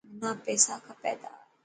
منا پيسا کپي تا.